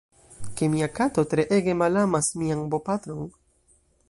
ke mia kato tre ege malamas mian bopatron.